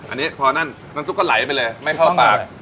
อันนี้พอนั่นน้ำซุปก็ไหลไปเลยไม่เข้าปาก